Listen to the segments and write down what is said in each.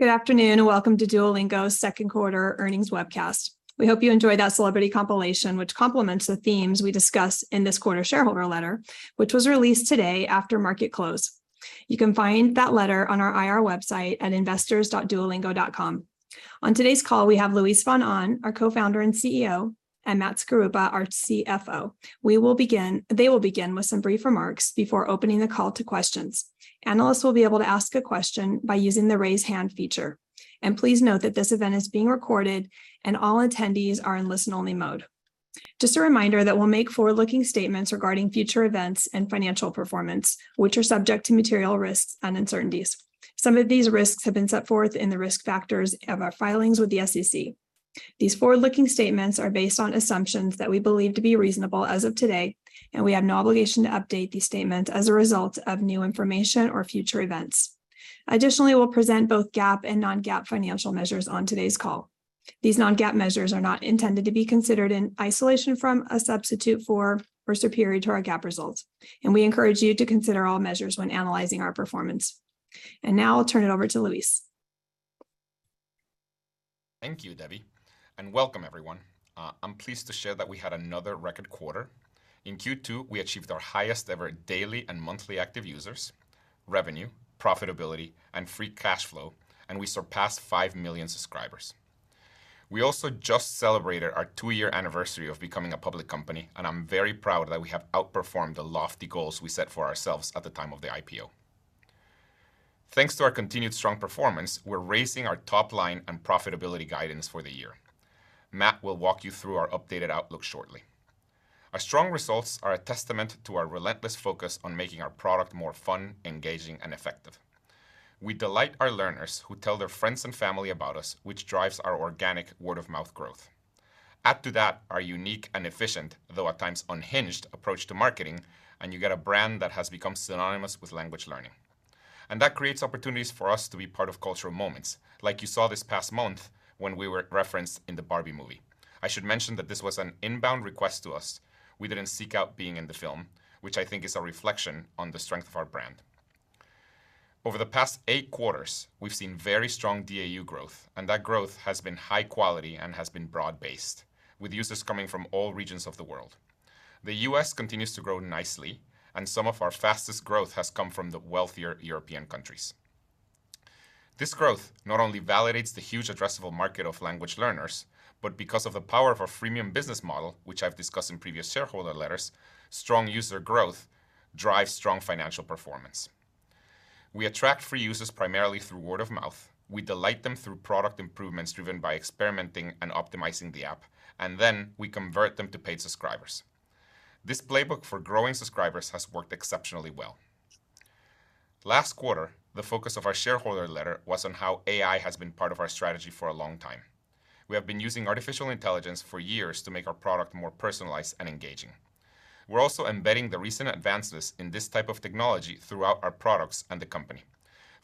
Good afternoon, welcome to Duolingo's Second Quarter Earnings Webcast. We hope you enjoyed that celebrity compilation, which complements the themes we discuss in this quarter's shareholder letter, which was released today after market close. You can find that letter on our IR website at investors.duolingo.com. On today's call, we have Luis von Ahn, our Co-Founder and CEO, and Matt Skaruppa, our CFO. They will begin with some brief remarks before opening the call to questions. Analysts will be able to ask a question by using the Raise Hand feature. Please note that this event is being recorded, and all attendees are in listen-only mode. Just a reminder that we'll make forward-looking statements regarding future events and financial performance, which are subject to material risks and uncertainties. Some of these risks have been set forth in the risk factors of our filings with the SEC. These forward-looking statements are based on assumptions that we believe to be reasonable as of today, and we have no obligation to update these statements as a result of new information or future events. Additionally, we'll present both GAAP and non-GAAP financial measures on today's call. These non-GAAP measures are not intended to be considered in isolation from, a substitute for, or superior to our GAAP results, and we encourage you to consider all measures when analyzing our performance. Now I'll turn it over to Luis. Thank you, Debbie, and welcome everyone. I'm pleased to share that we had another record quarter. In Q2, we achieved our highest-ever daily and monthly active users, revenue, profitability, and free cash flow, and we surpassed 5 million subscribers. We also just celebrated our two-year anniversary of becoming a public company, and I'm very proud that we have outperformed the lofty goals we set for ourselves at the time of the IPO. Thanks to our continued strong performance, we're raising our top line and profitability guidance for the year. Matt will walk you through our updated outlook shortly. Our strong results are a testament to our relentless focus on making our product more fun, engaging, and effective. We delight our learners, who tell their friends and family about us, which drives our organic word-of-mouth growth. Add to that our unique and efficient, though at times unhinged, approach to marketing, and you get a brand that has become synonymous with language learning. That creates opportunities for us to be part of cultural moments, like you saw this past month when we were referenced in the Barbie movie. I should mention that this was an inbound request to us. We didn't seek out being in the film, which I think is a reflection on the strength of our brand. Over the past eight quarters, we've seen very strong DAU growth, and that growth has been high quality and has been broad-based, with users coming from all regions of the world. The U.S. continues to grow nicely, and some of our fastest growth has come from the wealthier European countries. This growth not only validates the huge addressable market of language learners, but because of the power of our freemium business model, which I've discussed in previous shareholder letters, strong user growth drives strong financial performance. We attract free users primarily through word of mouth. We delight them through product improvements, driven by experimenting and optimizing the app, and then we convert them to paid subscribers. This playbook for growing subscribers has worked exceptionally well. Last quarter, the focus of our shareholder letter was on how AI has been part of our strategy for a long time. We have been using artificial intelligence for years to make our product more personalized and engaging. We're also embedding the recent advances in this type of technology throughout our products and the company.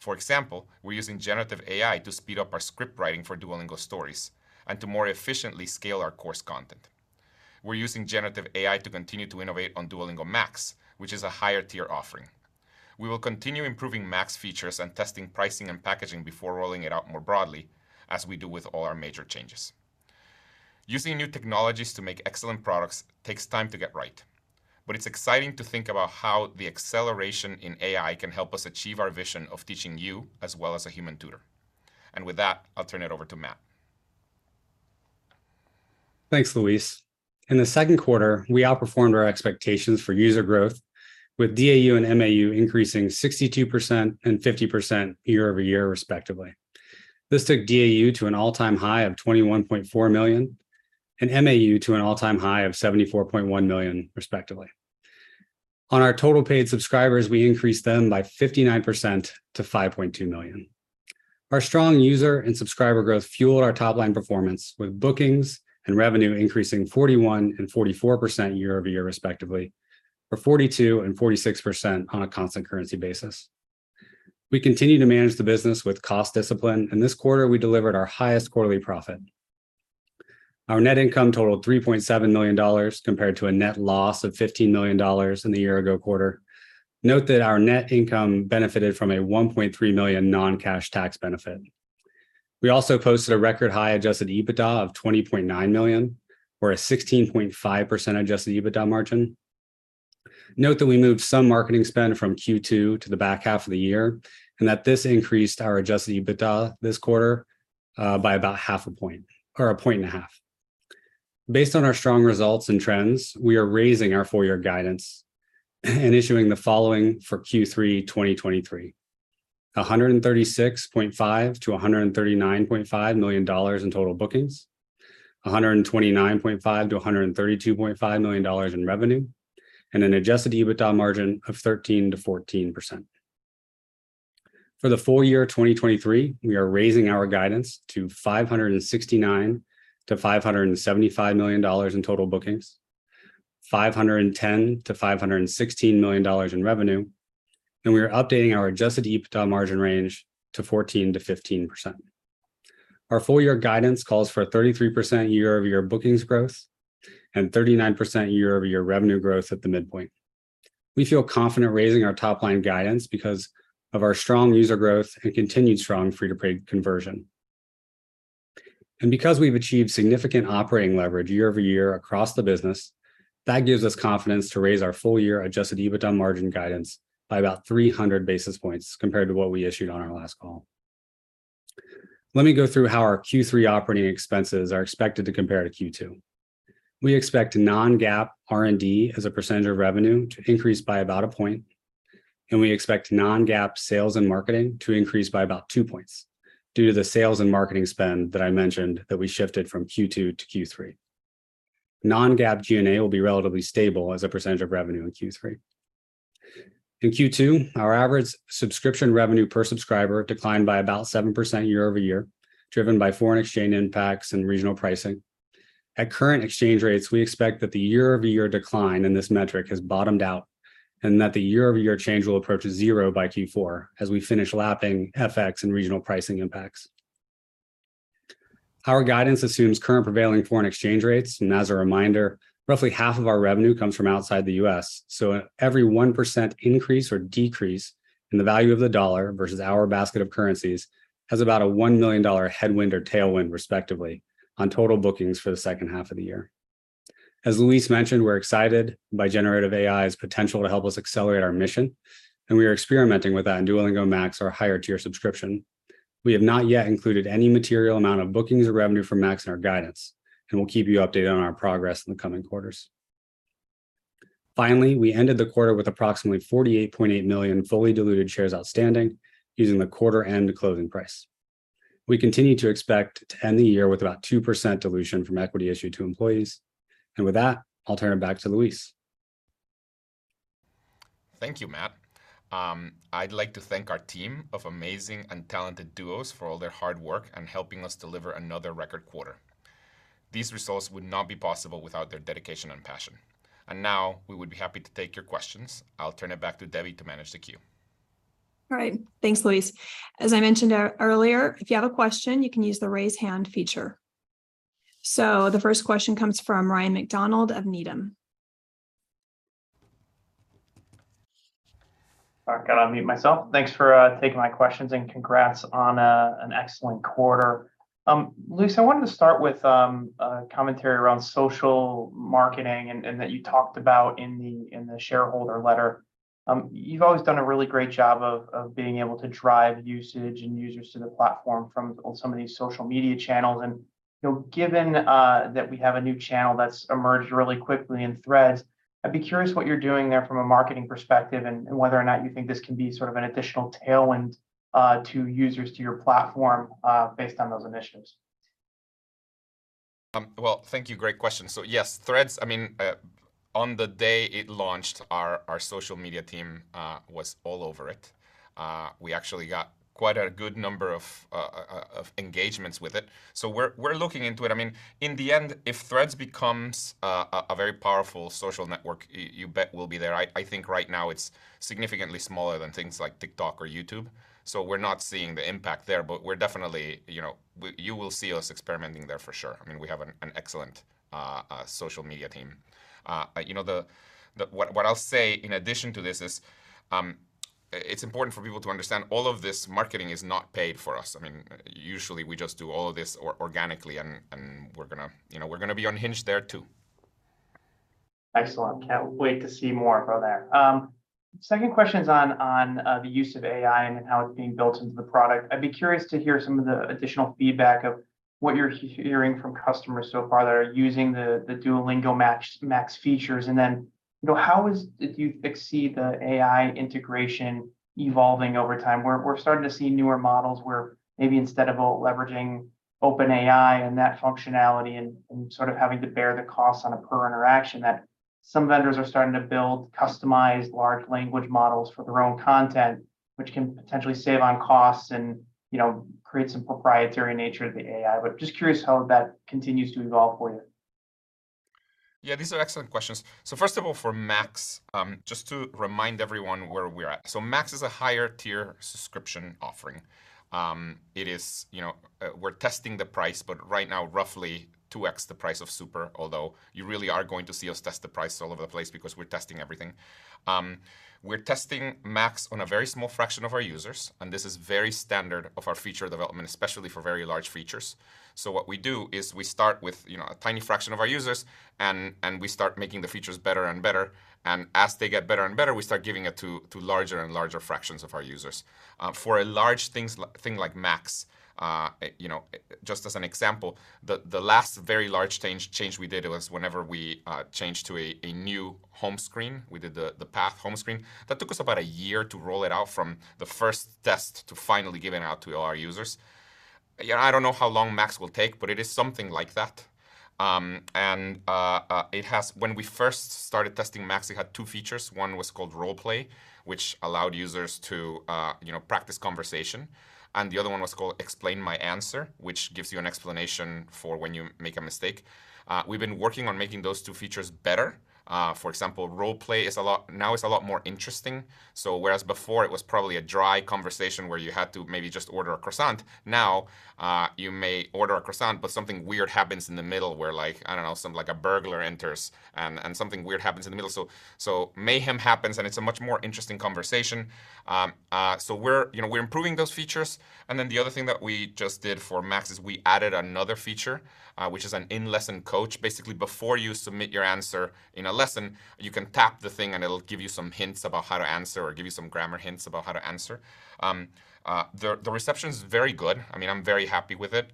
For example, we're using generative AI to speed up our script writing for Duolingo Stories and to more efficiently scale our course content. We're using generative AI to continue to innovate on Duolingo Max, which is a higher-tier offering. We will continue improving Max features and testing pricing and packaging before rolling it out more broadly, as we do with all our major changes. Using new technologies to make excellent products takes time to get right, but it's exciting to think about how the acceleration in AI can help us achieve our vision of teaching you as well as a human tutor. With that, I'll turn it over to Matt. Thanks, Luis. In the second quarter, we outperformed our expectations for user growth, with DAU and MAU increasing 62% and 50% year-over-year, respectively. This took DAU to an all-time high of 21.4 million and MAU to an all-time high of 74.1 million, respectively. On our total paid subscribers, we increased them by 59% to 5.2 million. Our strong user and subscriber growth fueled our top-line performance, with bookings and revenue increasing 41% and 44% year-over-year, respectively, or 42% and 46% on a constant currency basis. We continue to manage the business with cost discipline, and this quarter, we delivered our highest quarterly profit. Our net income totaled $3.7 million, compared to a net loss of $15 million in the year-ago quarter. Note that our net income benefited from a $1.3 million non-cash tax benefit. We also posted a record-high adjusted EBITDA of $20.9 million, or a 16.5% adjusted EBITDA margin. Note that we moved some marketing spend from Q2 to the back half of the year, and that this increased our adjusted EBITDA this quarter, by about 0.5 percentage points, or 1.5 percentage points. Based on our strong results and trends, we are raising our full-year guidance and issuing the following for Q3 2023: $136.5 million-$139.5 million in total bookings, $129.5 million-$132.5 million in revenue, and an adjusted EBITDA margin of 13%-14%. For the full year 2023, we are raising our guidance to $569 million-$575 million in total bookings, $510 million-$516 million in revenue, and we are updating our adjusted EBITDA margin range to 14%-15%. Our full year guidance calls for a 33% year-over-year bookings growth and 39% year-over-year revenue growth at the midpoint. We feel confident raising our top-line guidance because of our strong user growth and continued strong free-to-paid conversion. Because we've achieved significant operating leverage year-over-year across the business, that gives us confidence to raise our full-year adjusted EBITDA margin guidance by about 300 basis points compared to what we issued on our last call. Let me go through how our Q3 operating expenses are expected to compare to Q2. We expect non-GAAP R&D as a percentage of revenue to increase by about 1 point, and we expect non-GAAP sales and marketing to increase by about 2 points due to the sales and marketing spend that I mentioned that we shifted from Q2 to Q3. Non-GAAP G&A will be relatively stable as a percentage of revenue in Q3. In Q2, our average subscription revenue per subscriber declined by about 7% year-over-year, driven by foreign exchange impacts and regional pricing. At current exchange rates, we expect that the year-over-year decline in this metric has bottomed out, and that the year-over-year change will approach 0 by Q4 as we finish lapping FX and regional pricing impacts. Our guidance assumes current prevailing foreign exchange rates, as a reminder, roughly half of our revenue comes from outside the U.S. Every 1% increase or decrease in the value of the dollar versus our basket of currencies has about a $1 million headwind or tailwind, respectively, on total bookings for the second half of the year. As Luis mentioned, we're excited by generative AI's potential to help us accelerate our mission, and we are experimenting with that in Duolingo Max, our higher-tier subscription. We have not yet included any material amount of bookings or revenue from Max in our guidance, and we'll keep you updated on our progress in the coming quarters. Finally, we ended the quarter with approximately 48.8 million fully diluted shares outstanding, using the quarter-end closing price. We continue to expect to end the year with about 2% dilution from equity issued to employees. With that, I'll turn it back to Luis. Thank you, Matt. I'd like to thank our team of amazing and talented Duos for all their hard work and helping us deliver another record quarter. These results would not be possible without their dedication and passion. Now, we would be happy to take your questions. I'll turn it back to Debbie to manage the queue. All right. Thanks, Luis. As I mentioned earlier, if you have a question, you can use the Raise Hand feature. The first question comes from Ryan MacDonald of Needham. All right, got to unmute myself. Thanks for taking my questions, and congrats on an excellent quarter. Luis, I wanted to start with a commentary around social marketing and that you talked about in the shareholder letter. You've always done a really great job of being able to drive usage and users to the platform from some of these social media channels. You know, given that we have a new channel that's emerged really quickly in Threads, I'd be curious what you're doing there from a marketing perspective and whether or not you think this can be sort of an additional tailwind to users to your platform based on those initiatives. Well, thank you. Great question. So yes, Threads, I mean, on the day it launched, our social media team was all over it. We actually got quite a good number of engagements with it. So we're looking into it. I mean, in the end, if Threads becomes a very powerful social network, you bet we'll be there. I think right now it's significantly smaller than things like TikTok or YouTube, so we're not seeing the impact there, but we're definitely, you know. You will see us experimenting there for sure. I mean, we have an excellent social media team. You know, what I'll say in addition to this is, it's important for people to understand all of this marketing is not paid for us. I mean, usually, we just do all of this organically, and we're going to, you know, we're going to be on Hinge there too. Excellent. Can't wait to see more from there. Second question's on, on the use of AI and how it's being built into the product. I'd be curious to hear some of the additional feedback of what you're hearing from customers so far that are using the Duolingo Max features. Then, you know, how is, do you foresee the AI integration evolving over time? We're starting to see newer models where maybe instead of leveraging OpenAI and that functionality and, and sort of having to bear the costs on a per interaction, that some vendors are starting to build customized large language models for their own content, which can potentially save on costs and, you know, create some proprietary nature of the AI. Just curious how that continues to evolve for you. Yeah, these are excellent questions. First of all, for Max, just to remind everyone where we're at. Max is a higher-tier subscription offering. It is, you know, we're testing the price, but right now, roughly 2x the price of Super, although you really are going to see us test the price all over the place because we're testing everything. We're testing Max on a very small fraction of our users, and this is very standard of our feature development, especially for very large features. What we do is we start with, you know, a tiny fraction of our users, and we start making the features better and better, and as they get better and better, we start giving it to, to larger and larger fractions of our users. For a large thing like Max, you know, just as an example, the last very large change we did was whenever we changed to a new home screen. We did the path home screen. That took us about a year to roll it out from the first test to finally giving it out to all our users. Yeah, I don't know how long Max will take, but it is something like that. When we first started testing Max, it had two features. One was called Roleplay, which allowed users to, you know, practice conversation, and the other one was called Explain My Answer, which gives you an explanation for when you make a mistake. We've been working on making those two features better. For example, Roleplay is a lot, now it's a lot more interesting. Whereas before it was probably a dry conversation where you had to maybe just order a croissant, now, you may order a croissant, but something weird happens in the middle where, like, I don't know, some, like a burglar enters, and, and something weird happens in the middle. So mayhem happens, and it's a much more interesting conversation. We're, you know, we're improving those features, and then the other thing that we just did for Max is we added another feature, which is an in-lesson coach. Basically, before you submit your answer in a lesson, you can tap the thing, and it'll give you some hints about how to answer or give you some grammar hints about how to answer. The, the reception's very good. I mean, I'm very happy with it.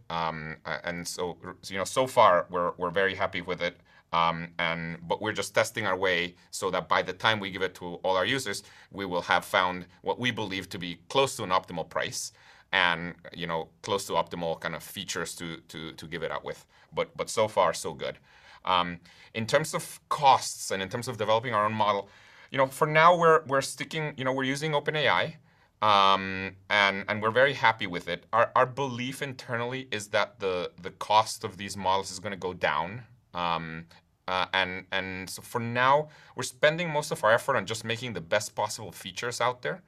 So, so you know, so far we're, we're very happy with it. But we're just testing our way so that by the time we give it to all our users, we will have found what we believe to be close to an optimal price and, you know, close to optimal kind of features to, to, to give it out with, but, but so far, so good. In terms of costs and in terms of developing our own model, you know, for now we're, we're sticking... You know, we're using OpenAI, and, and we're very happy with it. Our, our belief internally is that the, the cost of these models is going to go down. So for now, we're spending most of our effort on just making the best possible features out there,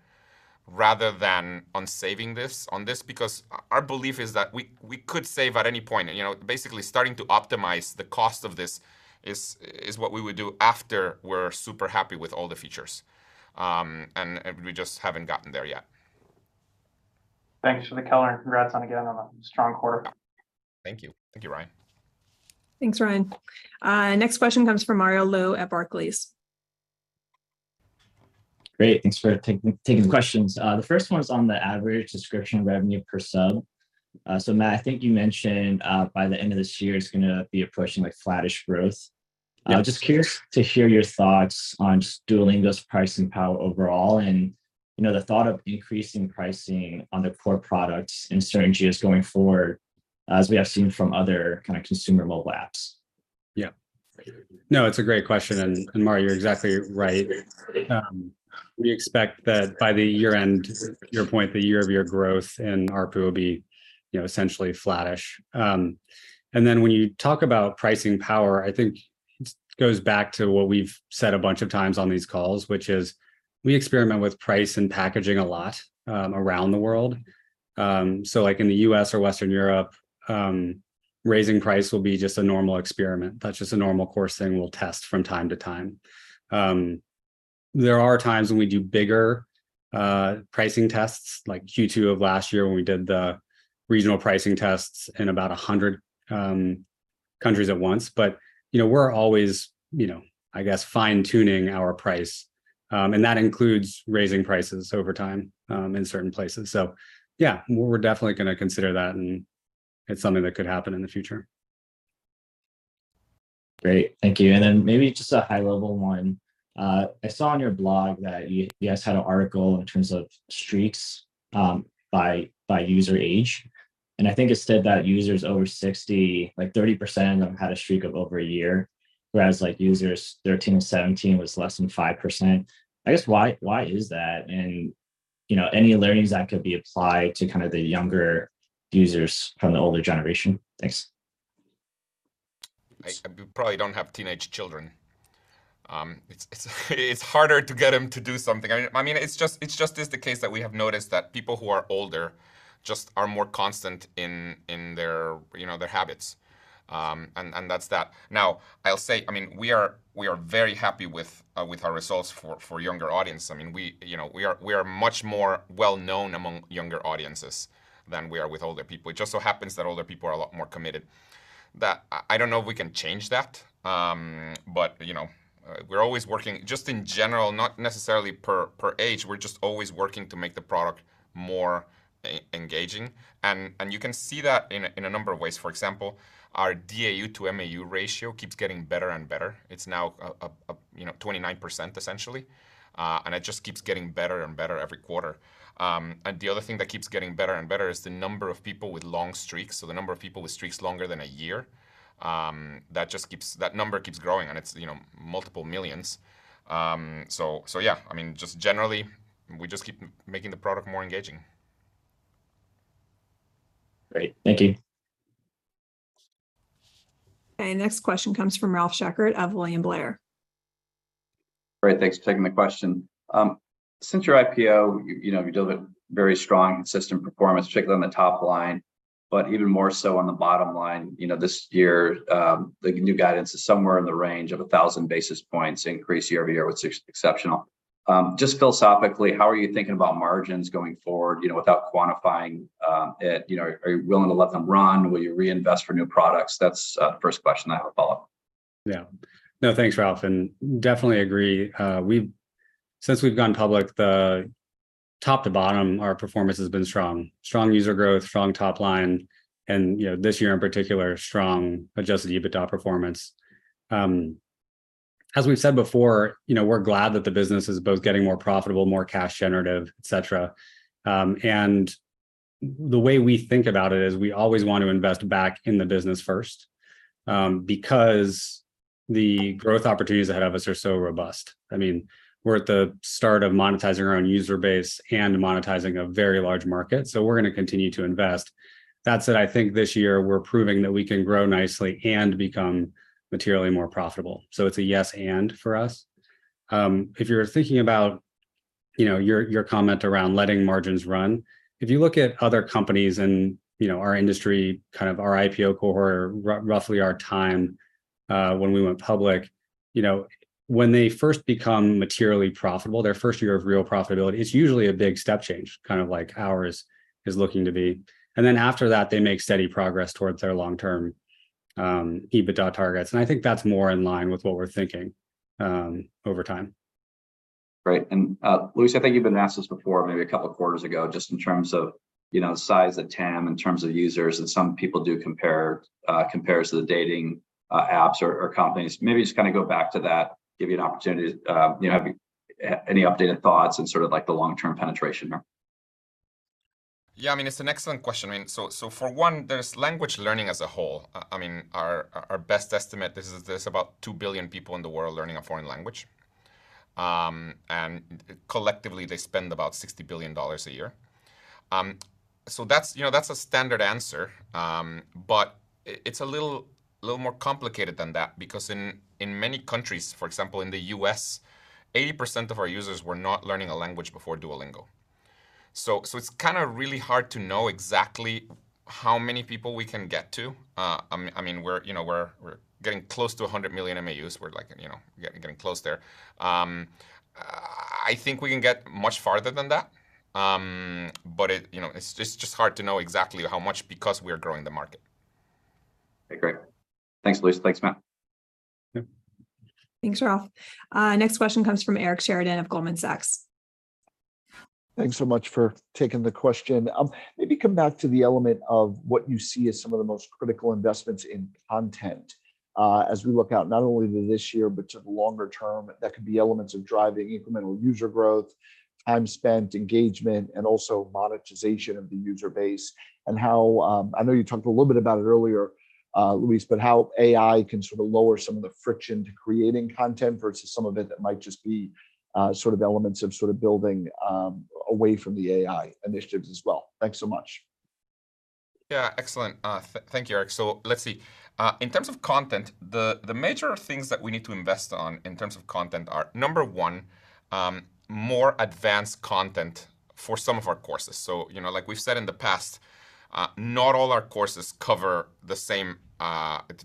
rather than on saving this, on this, because our belief is that we, we could save at any point. You know, basically starting to optimize the cost of this is, is what we would do after we're super happy with all the features. We just haven't gotten there yet. Thanks for the color, and congrats on, again, on a strong quarter. Thank you. Thank you, Ryan. Thanks, Ryan. Next question comes from Mario Lu at Barclays. Great, thanks for taking, taking the questions. The first one is on the average subscription revenue per sub. So Matt, I think you mentioned, by the end of this year, it's going to be approaching, like, flattish growth. Just curious to hear your thoughts on Duolingo's pricing power overall, and, you know, the thought of increasing pricing on the core products in strategy just going forward, as we have seen from other kind of consumer mobile apps. Yeah. No, it's a great question, and Mario, you're exactly right. We expect that by the year-end, to your point, the year-over-year growth and ARPU will be, you know, essentially flattish. Then when you talk about pricing power, I think it goes back to what we've said a bunch of times on these calls, which is, we experiment with price and packaging a lot around the world. Like in the U.S. or Western Europe, raising price will be just a normal experiment. That's just a normal course thing we'll test from time to time. There are times when we do bigger pricing tests, like Q2 of last year, when we did the regional pricing tests in about 100 countries at once. you know, we're always, you know, I guess, fine-tuning our price, and that includes raising prices over time, in certain places. Yeah, we're definitely going to consider that, and it's something that could happen in the future. Great, thank you. Then maybe just a high-level one. I saw on your blog that you, you guys had an article in terms of streaks, by, by user age, and I think it said that users over 60, like 30% of them had a streak of over one year, whereas like users 13 -17 was less than 5%. I guess, why, why is that? You know, any learnings that could be applied to kinda the younger users from the older generation? Thanks. You probably don't have teenage children. It's harder to get them to do something. I mean, it's just the case that we have noticed that people who are older just are more constant in their, you know, their habits, and that's that. I'll say, I mean, we are very happy with our results for younger audience. I mean, we, you know, we are much more well known among younger audiences than we are with older people. It just so happens that older people are a lot more committed. That. I don't know if we can change that, but, you know, we're always working, just in general, not necessarily per age, we're just always working to make the product more engaging. You can see that in a number of ways. For example, our DAU to MAU ratio keeps getting better and better. It's now, you know, 29% essentially, and it just keeps getting better and better every quarter. The other thing that keeps getting better and better is the number of people with long streaks, so the number of people with streaks longer than a year. That just keeps, that number keeps growing, and it's, you know, multiple millions. So yeah, I mean, just generally, we just keep making the product more engaging. Great. Thank you. Okay, next question comes from Ralph Schackart of William Blair. Great, thanks for taking my question. Since your IPO, you know, you've dealt with very strong, consistent performance, particularly on the top line, but even more so on the bottom line. You know, this year, the new guidance is somewhere in the range of 1,000 basis points increase year-over-year, which is exceptional. Just philosophically, how are you thinking about margins going forward, you know, without quantifying it? You know, are you willing to let them run? Will you reinvest for new products? That's the first question. I have a follow-up. Yeah. No, thanks, Ralph, and definitely agree. we've since we've gone public, the top to bottom, our performance has been strong. Strong user growth, strong top line, and, you know, this year in particular, strong adjusted EBITDA performance. as we've said before, you know, we're glad that the business is both getting more profitable, more cash generative, et cetera. the way we think about it is we always want to invest back in the business first, because the growth opportunities ahead of us are so robust. I mean, we're at the start of monetizing our own user base and monetizing a very large market, so we're going to continue to invest. That said, I think this year we're proving that we can grow nicely and become materially more profitable. it's a yes, and for us. If you're thinking about, you know, your, your comment around letting margins run, if you look at other companies in, you know, our industry, kind of our IPO cohort, roughly our time, when we went public, you know, when they first become materially profitable, their first year of real profitability, it's usually a big step change, kind of like ours is looking to be. Then after that, they make steady progress towards their long-term EBITDA targets, and I think that's more in line with what we're thinking over time. Right. Luis, I think you've been asked this before, maybe two quarters ago, just in terms of, you know, size of TAM, in terms of users, and some people do compare, compare to the dating apps or, or companies. Maybe just kind of go back to that, give you an opportunity to, you know, have any updated thoughts and sort of like the long-term penetration there. Yeah, I mean, it's an excellent question. I mean, so, for one, there's language learning as a whole. I mean, our, our best estimate, this is there's about 2 billion people in the world learning a foreign language. Collectively, they spend about $60 billion a year. That's, you know, that's a standard answer, but it, it's a little, little more complicated than that, because in, in many countries, for example, in the U.S., 80% of our users were not learning a language before Duolingo. It's kinda really hard to know exactly how many people we can get to. I mean, we're, you know, we're, we're getting close to 100 million MAUs. We're like, you know, getting, getting close there. I think we can get much farther than that. But it, you know, it's just hard to know exactly how much, because we're growing the market. Okay, great. Thanks, Luis. Thanks, Matt. Yes. Thanks, Ralph. next question comes from Eric Sheridan of Goldman Sachs. Thanks so much for taking the question. Maybe come back to the element of what you see as some of the most critical investments in content, as we look out, not only to this year, but to the longer term, that could be elements of driving incremental user growth, time spent, engagement, and also monetization of the user base. How, I know you talked a little bit about it earlier, Luis, but how AI can lower some of the friction to creating content versus some of it that might just be elements of building away from the AI initiatives as well? Thanks so much. Yeah, excellent. Thank you, Eric. Let's see. In terms of content, the major things that we need to invest on in terms of content are, number 1, more advanced content for some of our courses. You know, like we've said in the past, not all our courses cover the same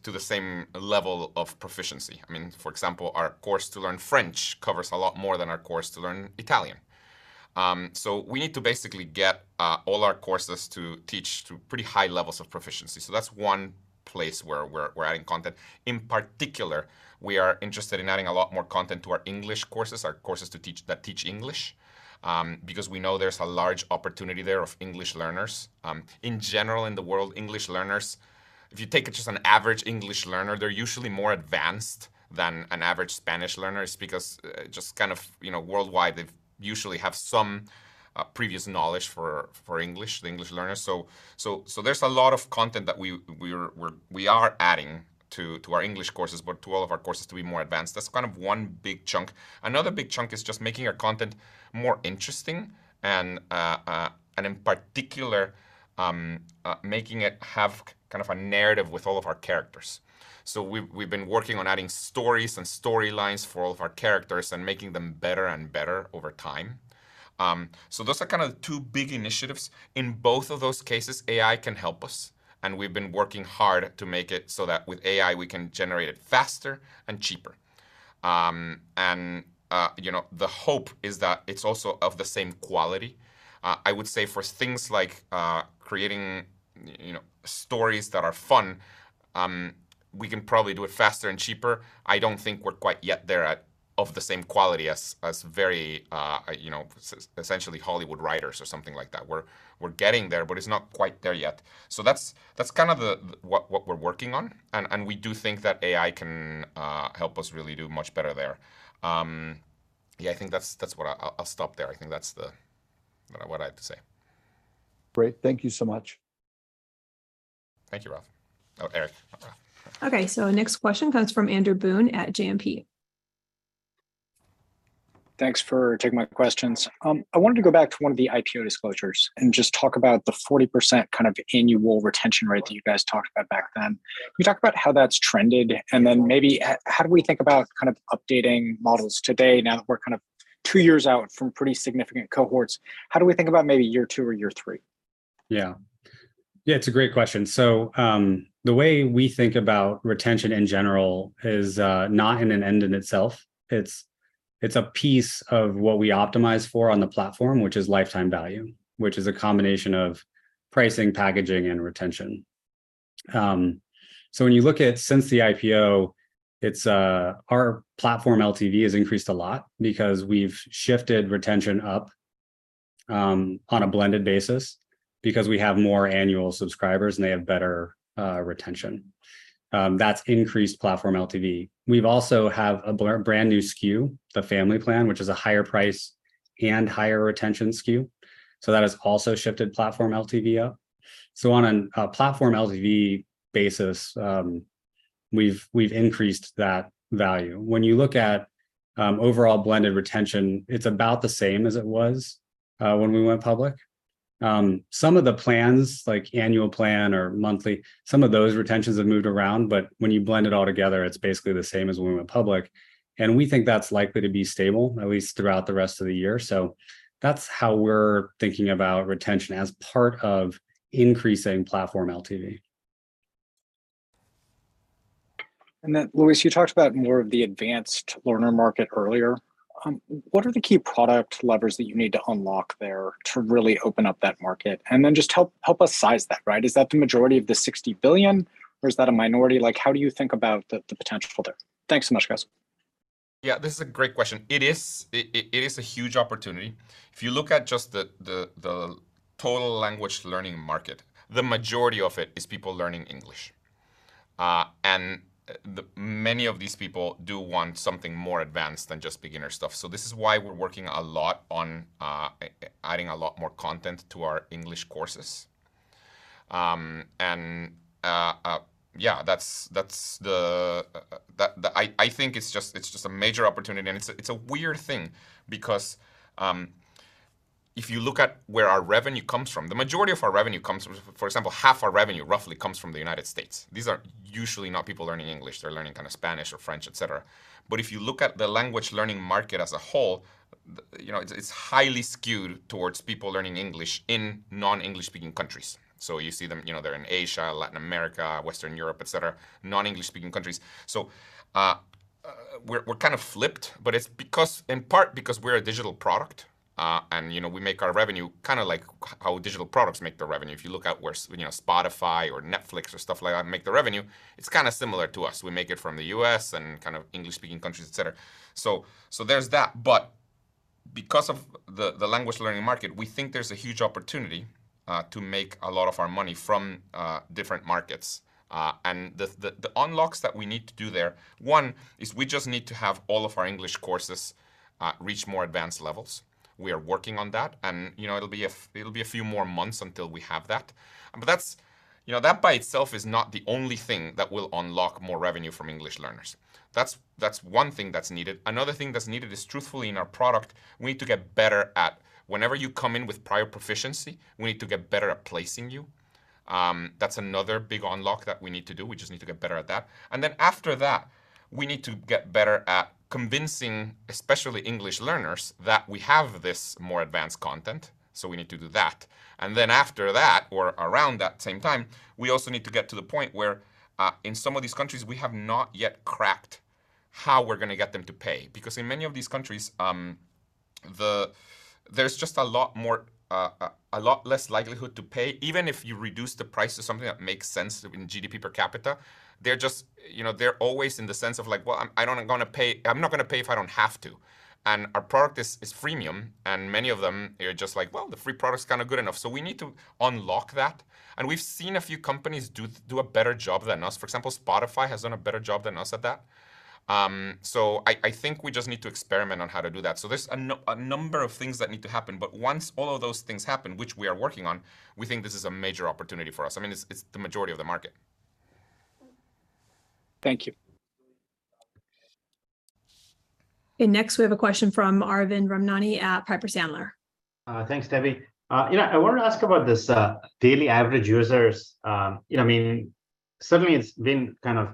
to the same level of proficiency. I mean, for example, our course to learn French covers a lot more than our course to learn Italian. We need to basically get all our courses to teach to pretty high levels of proficiency. That's one place where we're, we're adding content. In particular, we are interested in adding a lot more content to our English courses, our courses to teach- that teach English, because we know there's a large opportunity there of English learners. In general, in the world, English learners, if you take just an average English learner, they're usually more advanced than an average Spanish learner. It's because, just kind of, you know, worldwide, they've usually have some previous knowledge for, for English, the English learners. There's a lot of content that we are adding to, to our English courses, but to all of our courses to be more advanced. That's kind of one big chunk. Another big chunk is just making our content more interesting, and in particular, making it have kind of a narrative with all of our characters. We've, we've been working on adding stories and storylines for all of our characters and making them better and better over time. Those are kind of the two big initiatives. In both of those cases, AI can help us, and we've been working hard to make it so that with AI, we can generate it faster and cheaper. You know, the hope is that it's also of the same quality. I would say for things like creating, you know, stories that are fun, we can probably do it faster and cheaper. I don't think we're quite yet there at, of the same quality as, as very, you know, essentially Hollywood writers or something like that. We're, we're getting there, but it's not quite there yet. That's, that's kind of what, what we're working on, and, and we do think that AI can help us really do much better there. Yeah, I think that's, that's what I'll, I'll stop there. I think that's the, I don't know, what I have to say. Great. Thank you so much. Thank you, Ralph. Eric, Okay, next question comes from Andrew Boone at JMP. Thanks for taking my questions. I wanted to go back to one of the IPO disclosures and just talk about the 40% kind of annual retention rate that you guys talked about back then. Can you talk about how that's trended, and then maybe how do we think about kind of updating models today now that we're kind of two years out from pretty significant cohorts? How do we think about maybe year two or year three? Yeah. Yeah, it's a great question. The way we think about retention in general is not in an end in itself. It's, it's a piece of what we optimize for on the platform, which is lifetime value, which is a combination of pricing, packaging, and retention. When you look at since the IPO, it's, our platform LTV has increased a lot because we've shifted retention up on a blended basis, because we have more annual subscribers, and they have better retention. That's increased platform LTV. We've also have a brand-new SKU, the Family Plan, which is a higher price and higher retention SKU, that has also shifted platform LTV up. On a platform LTV basis, we've, we've increased that value. When you look at overall blended retention, it's about the same as it was when we went public. Some of the plans, like annual plan or monthly, some of those retentions have moved around, but when you blend it all together, it's basically the same as when we went public, and we think that's likely to be stable, at least throughout the rest of the year. That's how we're thinking about retention as part of increasing platform LTV. Luis, you talked about more of the advanced learner market earlier. What are the key product levers that you need to unlock there to really open up that market? Just help, help us size that, right? Is that the majority of the $60 billion, or is that a minority? Like, how do you think about the, the potential there? Thanks so much, guys. Yeah, this is a great question. It is... It is a huge opportunity. If you look at just the total language learning market, the majority of it is people learning English. Many of these people do want something more advanced than just beginner stuff. This is why we're working a lot on adding a lot more content to our English courses. Yeah, that's the... I think it's just a major opportunity, and it's a, it's a weird thing because, if you look at where our revenue comes from. For example, half our revenue, roughly comes from the United States. These are usually not people learning English. They're learning kind of Spanish or French, et cetera. If you look at the language learning market as a whole, you know, it's, it's highly skewed towards people learning English in non-English speaking countries. You see them, you know, they're in Asia, Latin America, Western Europe, et cetera, non-English speaking countries. We're, we're kind of flipped, but it's because, in part, because we're a digital product, and, you know, we make our revenue kind of like how digital products make their revenue. If you look at where, you know, Spotify or Netflix or stuff like that make their revenue, it's kind of similar to us. We make it from the US and kind of English-speaking countries, et cetera. There's that, but because of the, the language learning market, we think there's a huge opportunity to make a lot of our money from different markets. The, the, the unlocks that we need to do there, one, is we just need to have all of our English courses, reach more advanced levels. We are working on that, and, you know, it'll be a few more months until we have that. That's, you know, that by itself is not the only thing that will unlock more revenue from English learners. That's, that's one thing that's needed. Another thing that's needed is, truthfully, in our product, we need to get better at whenever you come in with prior proficiency, we need to get better at placing you. That's another big unlock that we need to do. We just need to get better at that. Then after that, we need to get better at convincing, especially English learners, that we have this more advanced content, so we need to do that. Then after that, or around that same time, we also need to get to the point where, in some of these countries, we have not yet cracked how we're going to get them to pay. In many of these countries, there's just a lot more, a lot less likelihood to pay, even if you reduce the price to something that makes sense in GDP per capita. They're just, you know, they're always in the sense of like, "Well, I'm not going to pay if I don't have to." Our product is freemium, and many of them are just like, "Well, the free product is kind of good enough." We need to unlock that, and we've seen a few companies do a better job than us. For example, Spotify has done a better job than us at that. I, I think we just need to experiment on how to do that. There's a number of things that need to happen, but once all of those things happen, which we are working on, we think this is a major opportunity for us. I mean, it's, it's the majority of the market. Thank you. Next, we have a question from Arvind Ramnani at Piper Sandler. Thanks, Debbie. You know, I wanted to ask about this, daily average users. You know, I mean, suddenly it's been kind of,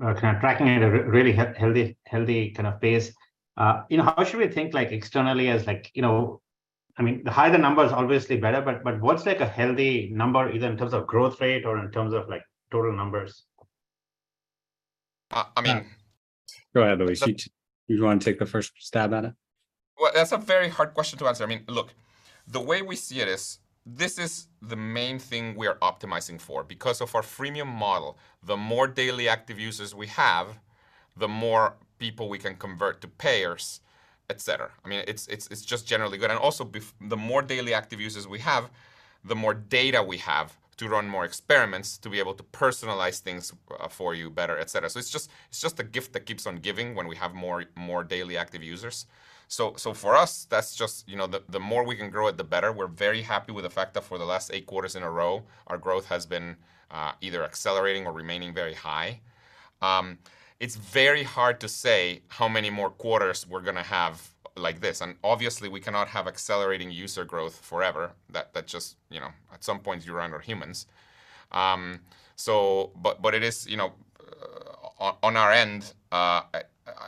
kind of tracking at a really healthy, healthy kind of pace. You know, how should we think, like, externally as like, you know, I mean, the higher the number is obviously better, but, but what's like a healthy number, either in terms of growth rate or in terms of, like, total numbers? I mean. Go ahead, Luis. You, you want to take the first stab at it? Well, that's a very hard question to answer. I mean, look, the way we see it is, this is the main thing we are optimizing for. Because of our freemium model, the more Daily Active Users we have, the more people we can convert to payers, et cetera. I mean, it's, it's, it's just generally good. Also, the more Daily Active Users we have, the more data we have to run more experiments, to be able to personalize things for you better, et cetera. It's just, it's just a gift that keeps on giving when we have more, more Daily Active Users. For us, that's just, you know, the, the more we can grow it, the better. We're very happy with the fact that for the last eight quarters in a row, our growth has been either accelerating or remaining very high. It's very hard to say how many more quarters we're going to have like this, and obviously, we cannot have accelerating user growth forever. That, that just, you know, at some point, you run out of humans. But, but it is, you know, on- on our end, I,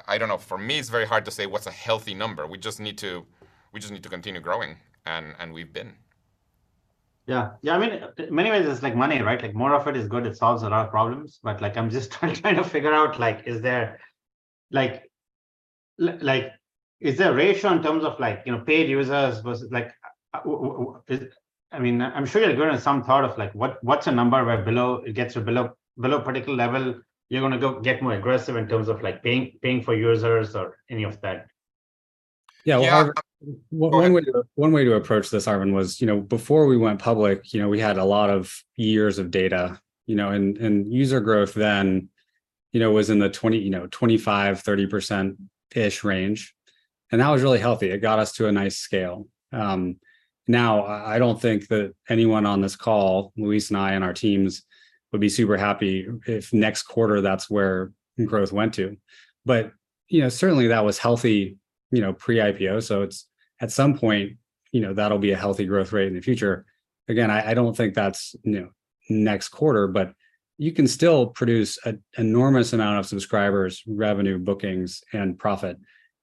I don't know, for me, it's very hard to say what's a healthy number. We just need to, we just need to continue growing, and, and we've been. Yeah. Yeah, I mean, in many ways, it's like money, right? Like, more of it is good, it solves a lot of problems, but, like, I'm just trying, trying to figure out, like, is there, like, is there a ratio in terms of, like, you know, paid users versus, like, I mean, I'm sure you're going to some thought of, like, what, what's a number where below, it gets below, below a particular level, you're going to go get more aggressive in terms of, like, paying, paying for users or any of that? Yeah. Yeah. One way to, one way to approach this, Arvind, was, you know, before we went public, you know, we had a lot of years of data, you know, and, and user growth then, you know, was in the 20%, you know, 25%, 30%-ish range, and that was really healthy. It got us to a nice scale. Now, I don't think that anyone on this call, Luis and I and our teams, would be super happy if next quarter, that's where growth went to. You know, certainly that was healthy, you know, pre-IPO, so it's. At some point, you know, that'll be a healthy growth rate in the future. I don't think that's, you know, next quarter, but you can still produce a enormous amount of subscribers, revenue, bookings, and profit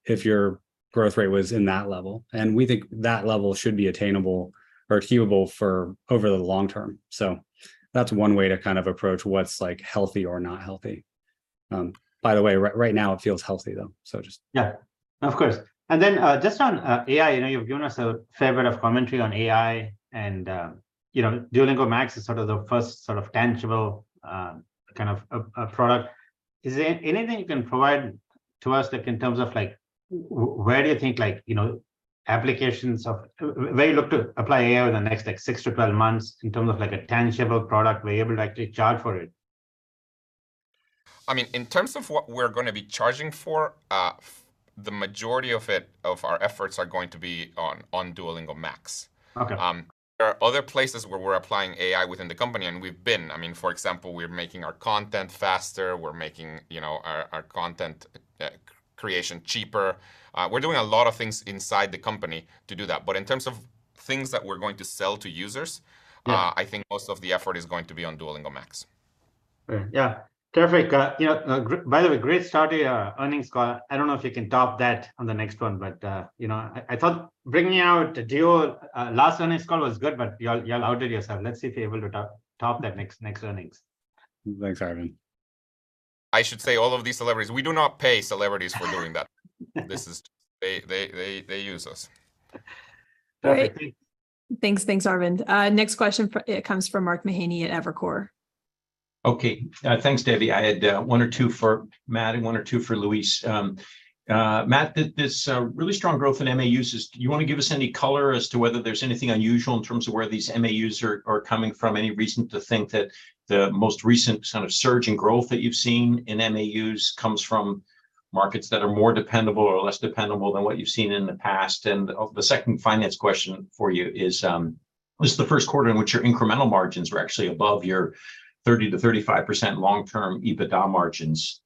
if your growth rate was in that level, and we think that level should be attainable or achievable for over the long term. That's one way to kind of approach what's, like, healthy or not healthy. By the way, right now it feels healthy, though. Yeah, of course. Just on AI, you know, you've given us a fair bit of commentary on AI, and, you know, Duolingo Max is sort of the first sort of tangible, kind of a, a product. Is there anything you can provide to us, like, in terms of, like, where do you think, like, you know, applications of... Where you look to apply AI in the next, like, six to 12 months in terms of, like, a tangible product we're able to actually charge for it? I mean, in terms of what we're going to be charging for, the majority of it, of our efforts are going to be on, on Duolingo Max. Okay. There are other places where we're applying AI within the company, and we've been. I mean, for example, we're making our content faster, we're making, you know, our, our content creation cheaper. We're doing a lot of things inside the company to do that. In terms of things that we're going to sell to users. Yeah I think most of the effort is going to be on Duolingo Max. Great. Yeah, terrific. You know, by the way, great start to your earnings call. I don't know if you can top that on the next one, but, you know, I, I thought bringing out Duo, last earnings call was good, but you all, y'all outdid yourself. Let's see if you're able to top, top that next, next earnings. Thanks, Arvind. I should say, all of these celebrities, we do not pay celebrities for doing that. They, they, they, they use us. Perfect. Thanks. Thanks, Arvind. Next question it comes from Mark Mahaney at Evercore. Okay. Thanks, Debbie. I had one or two for Matt and one or two for Luis. Matt, this really strong growth in MAUs, do you want to give us any color as to whether there's anything unusual in terms of where these MAUs are coming from? Any reason to think that the most recent kind of surge in growth that you've seen in MAUs comes from markets that are more dependable or less dependable than what you've seen in the past? The second finance question for you is, this is the first quarter in which your incremental margins were actually above your 30%-35% long-term EBITDA margins.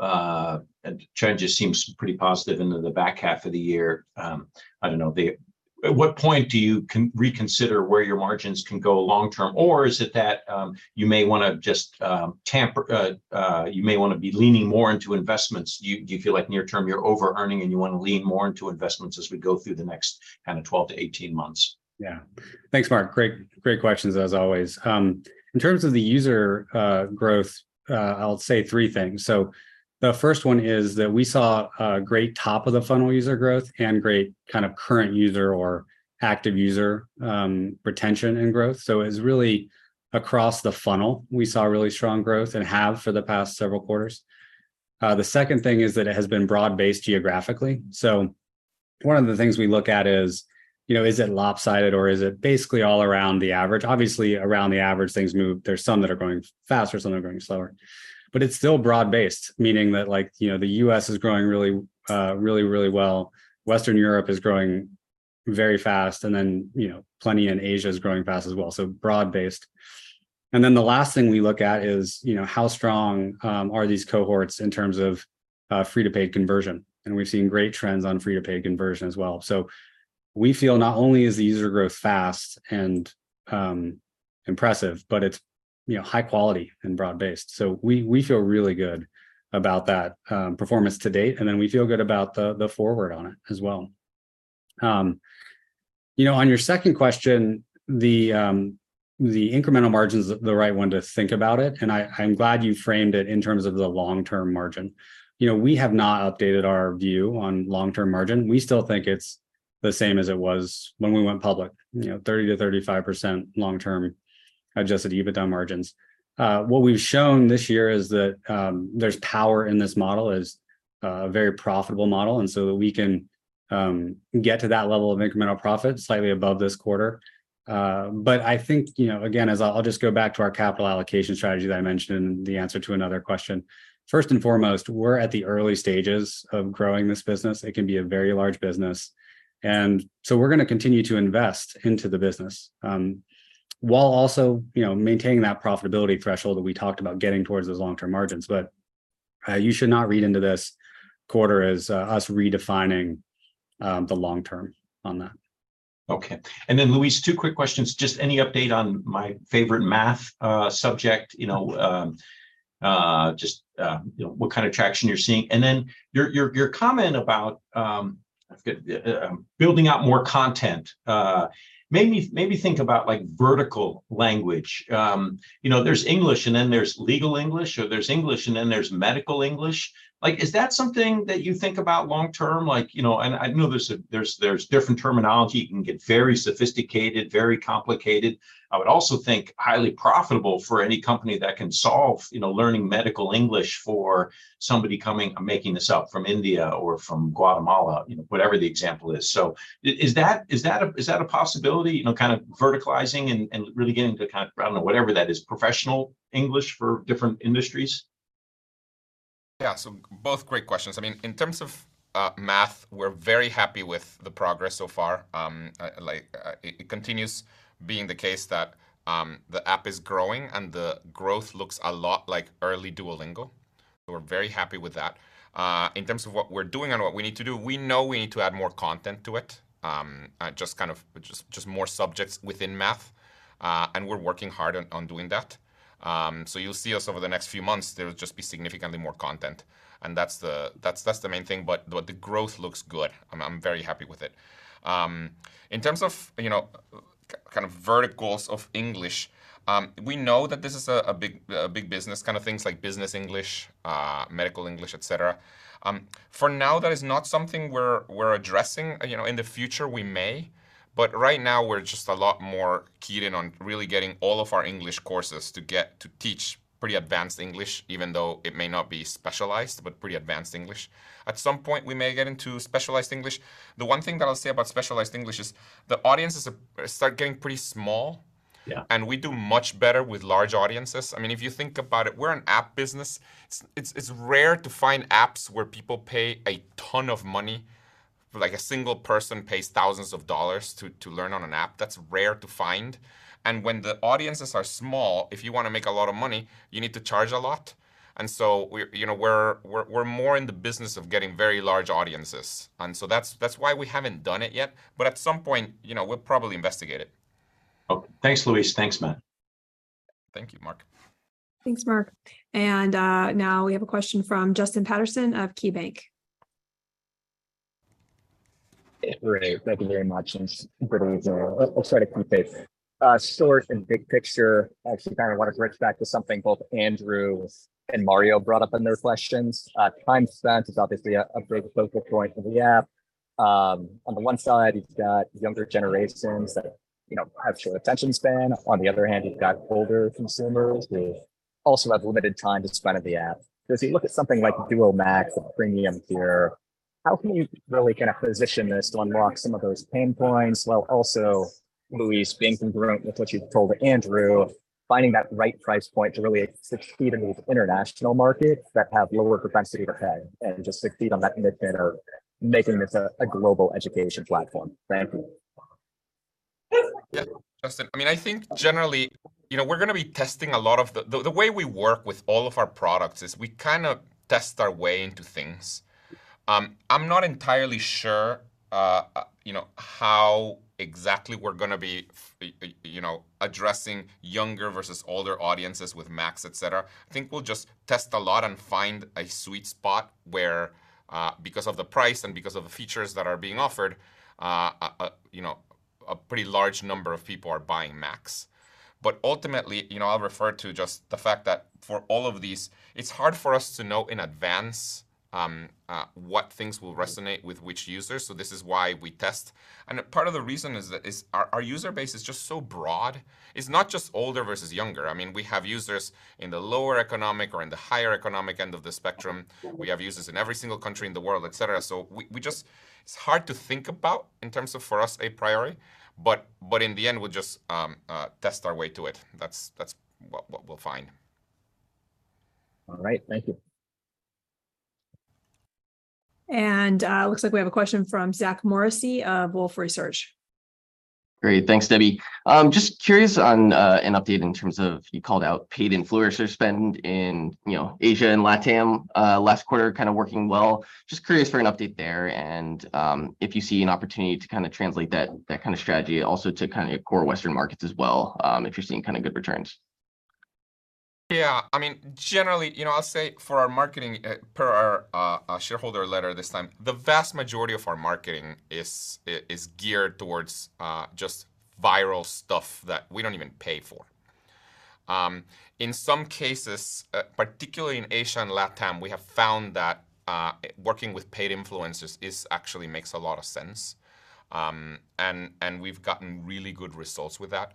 Trend just seems pretty positive into the back half of the year. I don't know, at what point do you reconsider where your margins can go long term, or is it that, you may want to just, you may want to be leaning more into investments? Do you, do you feel like near term, you're overearning, and you want to lean more into investments as we go through the next kind of 12-18 months? Yeah. Thanks, Mark. Great, great questions, as always. In terms of the user growth, I'll say three things. The first one is that we saw great top-of-the-funnel user growth and great kind of current user or active user retention and growth. It's really across the funnel, we saw really strong growth, and have for the past several quarters. The second thing is that it has been broad-based geographically. One of the things we look at is, you know, is it lopsided or is it basically all around the average? Obviously, around the average, things move. There's some that are going faster, some are going slower, but it's still broad-based, meaning that, like, you know, the U.S. is growing really, really, really well. Western Europe is growing very fast, you know, plenty in Asia is growing fast as well, broad-based. The last thing we look at is, you know, how strong are these cohorts in terms of free-to-paid conversion, we've seen great trends on free-to-paid conversion as well. We feel not only is the user growth fast and impressive, but it's, you know, high quality and broad-based. We, we feel really good about that performance to date, we feel good about the, the forward on it as well. You know, on your second question, the incremental margin's the right one to think about it, I, I'm glad you framed it in terms of the long-term margin. You know, we have not updated our view on long-term margin. We still think it's the same as it was when we went public, you know, 30%-35% long-term adjusted EBITDA margins. What we've shown this year is that there's power in this model. It's a very profitable model, so we can get to that level of incremental profit slightly above this quarter. I think, you know, again, as I'll just go back to our capital allocation strategy that I mentioned in the answer to another question. First and foremost, we're at the early stages of growing this business. It can be a very large business, and so we're going to continue to invest into the business while also, you know, maintaining that profitability threshold that we talked about getting towards those long-term margins. You should not read into this quarter as us redefining the long term on that. Okay, Luis, two quick questions. Just any update on my favorite math subject, you know, what kind of traction you're seeing, and then your, your, your comment about building out more content made me, made me think about, like, vertical language. You know, there's English, and then there's legal English, or there's English, and then there's medical English. Like, is that something that you think about long-term? Like, you know, and I know there's different terminology. It can get very sophisticated, very complicated. I would also think highly profitable for any company that can solve, you know, learning medical English for somebody coming, I'm making this up, from India or from Guatemala, you know, whatever the example is. Is that, is that a, is that a possibility, you know, kind of verticalizing and, and really getting to kind of, I don't know, whatever that is, professional English for different industries? Yeah, both great questions. I mean, in terms of math, we're very happy with the progress so far. It, it continues being the case that the app is growing, the growth looks a lot like early Duolingo, we're very happy with that. In terms of what we're doing and what we need to do, we know we need to add more content to it, just kind of, just, just more subjects within math, we're working hard on, on doing that. You'll see us over the next few months, there will just be significantly more content, that's the, that's, that's the main thing, the, the growth looks good, I'm very happy with it. In terms of, you know, kind of verticals of English, we know that this is a big business, kind of things like business English, medical English, et cetera. For now, that is not something we're addressing. You know, in the future we may, but right now we're just a lot more keyed in on really getting all of our English courses to get to teach pretty advanced English, even though it may not be specialized, but pretty advanced English. At some point, we may get into specialized English. The one thing that I'll say about specialized English is the audiences are start getting pretty small. Yeah. We do much better with large audiences. I mean, if you think about it, we're an app business. It's, it's, it's rare to find apps where people pay a ton of money, like a single person pays thousands of dollars to, to learn on an app. That's rare to find. When the audiences are small, if you want to make a lot of money, you need to charge a lot. You know, we're, we're, we're more in the business of getting very large audiences. That's, that's why we haven't done it yet. At some point, you know, we'll probably investigate it. Okay. Thanks, Luis. Thanks, Matt. Thank you, Mark. Thanks, Mark. Now we have a question from Justin Patterson of KeyBanc. Great, thank you very much. It's great to be here. I'll start a few things. Short and big picture, actually, kind of want to bridge back to something both Andrew and Mario brought up in their questions. Time spent is obviously a, a very focal point of the app. On the one side, you've got younger generations that, you know, have short attention span. On the other hand, you've got older consumers who also have limited time to spend on the app. As you look at something like Duolingo Max, the premium tier, how can you really kind of position this to unlock some of those pain points while also, Luis, being congruent with what you've told Andrew, finding that right price point to really succeed in the international market that have lower propensity to pay and just succeed on that and then better making this a, a global education platform? Thank you. Yeah, Justin, I mean, I think generally, you know, we're going to be testing a lot of the. The way we work with all of our products is we kind of test our way into things. I'm not entirely sure, you know, how exactly we're going to be, you know, addressing younger versus older audiences with Max, et cetera. I think we'll just test a lot and find a sweet spot where, because of the price and because of the features that are being offered, you know, a pretty large number of people are buying Max. Ultimately, you know, I'll refer to just the fact that for all of these, it's hard for us to know in advance, what things will resonate with which users, so this is why we test. A part of the reason is that our user base is just so broad. It's not just older versus younger. I mean, we have users in the lower economic or in the higher economic end of the spectrum. We have users in every single country in the world, et cetera. We just. It's hard to think about in terms of, for us, a priority, but in the end, we'll just test our way to it. That's what we'll find. All right, thank you. It looks like we have a question from Zach Morrissey of Wolfe Research. Great. Thanks, Debbie. Just curious on an update in terms of you called out paid influencer spend in, you know, Asia and LatAm, last quarter, kind of working well. Just curious for an update there, and if you see an opportunity to kind of translate that, that kind of strategy also to kind of core Western markets as well, if you're seeing kind of good returns? Yeah, I mean, generally, you know, I'll say for our marketing, per our shareholder letter this time, the vast majority of our marketing is geared towards just viral stuff that we don't even pay for. In some cases, particularly in Asia and LatAm, we have found that working with paid influencers is actually makes a lot of sense, and we've gotten really good results with that.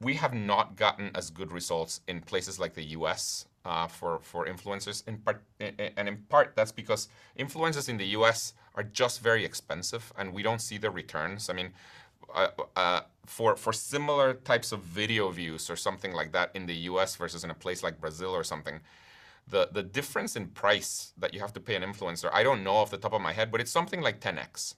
We have not gotten as good results in places like the U.S., for influencers, in part, and in part, that's because influencers in the U.S. are just very expensive, and we don't see the returns. I mean, for, for similar types of video views or something like that in the U.S. versus in a place like Brazil or something, the, the difference in price that you have to pay an influencer, I don't know off the top of my head, but it's something like 10x.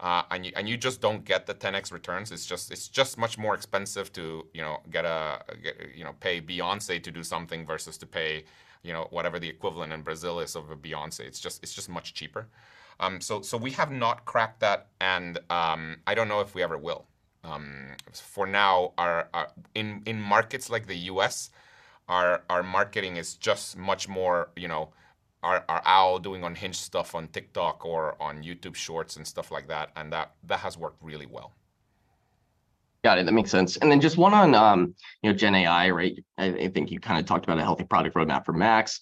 You, and you just don't get the 10x returns. It's just, it's just much more expensive to, you know, get a, get, you know, pay Beyoncé to do something versus to pay, you know, whatever the equivalent in Brazil is of a Beyoncé. It's just, it's just much cheaper. We have not cracked that, and I don't know if we ever will. For now, our in markets like the U.S., our marketing is just much more, you know, our owl doing unhinged stuff on TikTok or on YouTube Shorts and stuff like that, and that, that has worked really well. Got it. That makes sense. Then just one on, you know, Gen AI, right? I, I think you kind of talked about a healthy product roadmap for Max.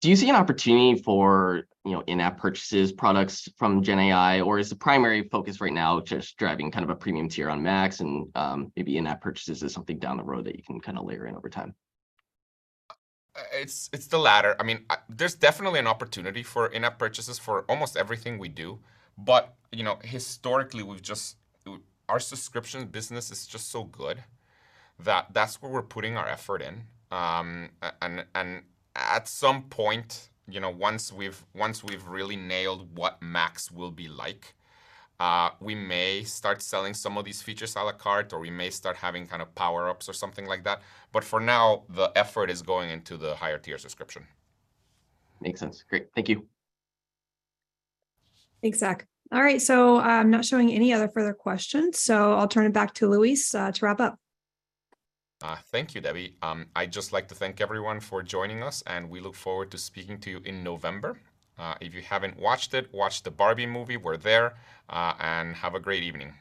Do you see an opportunity for, you know, in-app purchases, products from Gen AI, or is the primary focus right now just driving kind of a premium tier on Max and, maybe in-app purchases is something down the road that you can kind of layer in over time? It's, it's the latter. I mean, there's definitely an opportunity for in-app purchases for almost everything we do, but, you know, historically, we've just, our subscription business is just so good that that's where we're putting our effort in. At some point, you know, once we've, once we've really nailed what Max will be like, we may start selling some of these features à la carte, or we may start having kind of power-ups or something like that. For now, the effort is going into the higher-tier subscription. Makes sense. Great. Thank you. Thanks, Zach. All right, I'm not showing any other further questions, so I'll turn it back to Luis to wrap up. Thank you, Debbie. I'd just like to thank everyone for joining us, and we look forward to speaking to you in November. If you haven't watched it, watch the Barbie movie, we're there, and have a great evening.